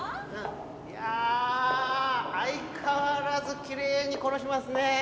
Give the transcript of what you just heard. いやあ相変わらずきれいに殺しますね。